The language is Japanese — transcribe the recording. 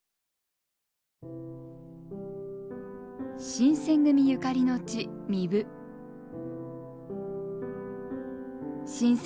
新選組ゆかりの地壬生。